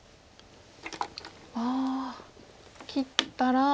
ああ切ったら。